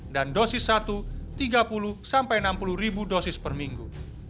dan dosis satu tiga puluh enam puluh ribu dosis per minggu